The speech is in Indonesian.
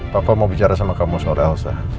papa mau bicara sama kamu seorang elsa